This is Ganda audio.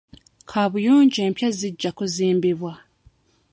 Kabuyonjo empya zijja kuzimbibwa.